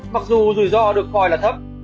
mặc dù rủi ro được coi là thấp